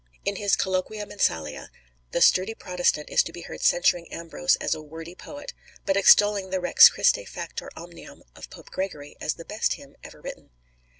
In his Colloquia Mensalia, the sturdy Protestant is to be heard censuring Ambrose as a wordy poet, but extolling the Rex Christe Factor omnium of Pope Gregory as the best hymn ever written.